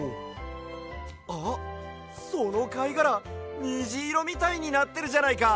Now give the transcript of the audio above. あっそのかいがらにじいろみたいになってるじゃないか！